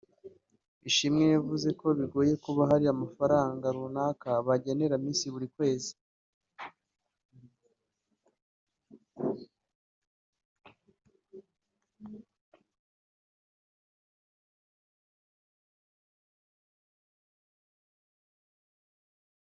Ishimwe yavuze ko bigoye kuba hari amafaranga runaka bagenera Miss buri kwezi